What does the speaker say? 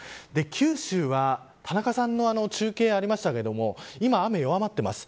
九州は田中さんの中継がありましたが今、雨弱まっています。